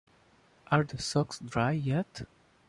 Are the socks dry yet?